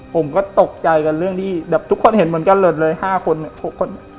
ผมก็ตกใจกับเรื่องที่แบบทุกคนเห็นมันก็เลิศเลยห้าคนหกคน